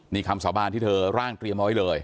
นี่คำสาบานที่เธอร่างเตรียมเอาไว้เลย